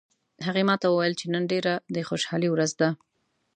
هغې ما ته وویل چې نن ډیره د خوشحالي ورځ ده